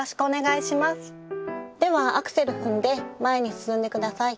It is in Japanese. ではアクセル踏んで前に進んで下さい。